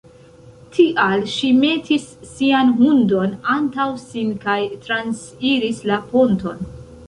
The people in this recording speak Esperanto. Tial ŝi metis sian hundon antaŭ sin kaj transiris la ponton.